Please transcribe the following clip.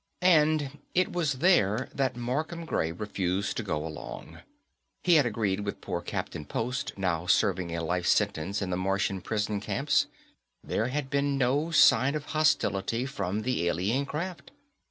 And it was there that Markham Gray refused to go along. He had agreed with poor Captain Post, now serving a life sentence in the Martian prison camps; there had been no sign of hostility from the alien craft.